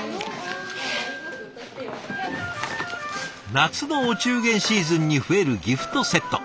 夏のお中元シーズンに増えるギフトセット。